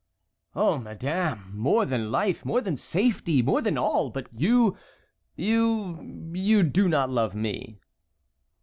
"Oh, madame! more than life, more than safety, more than all; but you, you—you do not love me."